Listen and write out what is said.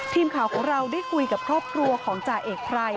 ทีมข่าวของเราได้คุยกับครอบครัวของจ่าเอกไพร